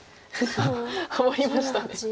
ハモりましたね。